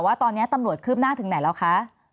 ว่าตอนนี้ตำรวจคืบหน้าถึงไหนแล้วคะ